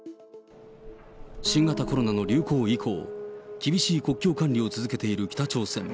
新型コロナの流行以降、厳しい国境管理を続けている北朝鮮。